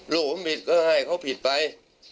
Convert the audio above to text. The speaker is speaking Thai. ลูกผมผิดก็ให้เขาผิดไป